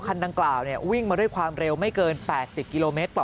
คันดังกล่าววิ่งมาด้วยความเร็วไม่เกิน๘๐กิโลเมตรต่อ